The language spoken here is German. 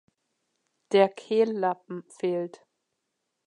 Der Kehllappen fehlt.